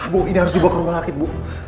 bu ini harus dibawa ke rumah sakit bu